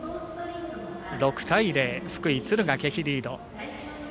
６対０、福井・敦賀気比リード。